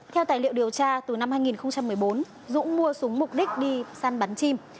theo tài liệu điều tra từ năm hai nghìn một mươi bốn dũng mua súng mục đích đi săn bắn chim